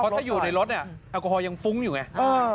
ถ้าอยู่ในรถเนี่ยแอลกอฮอลยังฟุ้งอยู่ไง